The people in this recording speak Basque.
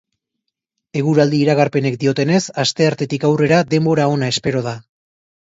Eguraldi iragarpenek diotenez, asteartetik aurrera denbora ona espero da.